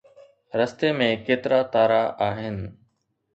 رستي ۾ ڪيترا تارا آهن؟